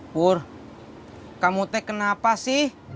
bur kamu teh kenapa sih